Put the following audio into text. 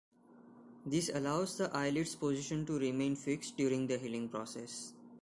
This allows the eyelid's position to remain fixed during the healing process.